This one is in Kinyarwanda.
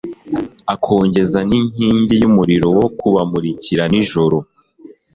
akongeza n’inkingi y’umuriro wo kubamurikira nijoro